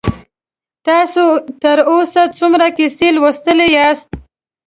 تاسې تر اوسه څومره کیسې لوستي یاست؟